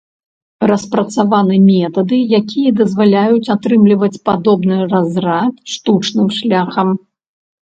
Распрацаваны метады, якія дазваляюць атрымліваць падобны разрад штучным шляхам.